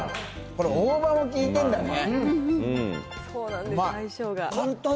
これ、大葉も効いてるんだね。